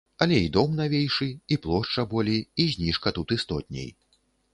Але і дом навейшы, і плошча болей, і зніжка тут істотней.